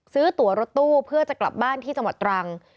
ซื้อตัวรถตู้เพื่อจะกลับบ้านที่จังหวัดตรัง